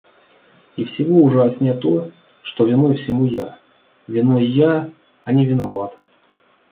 И всего ужаснее то, что виной всему я, — виной я, а не виноват.